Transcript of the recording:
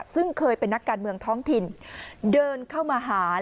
ซึ่งเคยเป็นนักการเมืองท้องถิ่นเดินเข้ามาหา